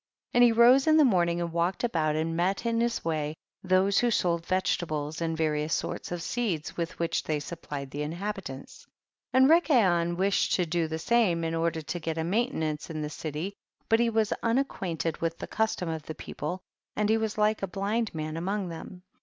8. And he rose in the morning and walked about, and met in his way those who sold vegetables and va rious sorts of seed with which they supplied the inhabitants. 9. And Rikayon wished to do the same in order to get a maintenance in the city, but he was unacquainted with the custom of the people, and he was like a blind man among them.